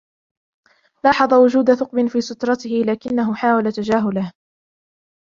لاحظ وجودَ ثقبٍ في سترته ، لكنه حاول تجاهله.